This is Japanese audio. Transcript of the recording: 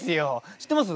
知ってます？